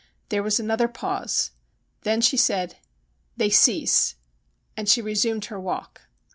There was another pause. Then she said :' They cease,' and she resumed her walk.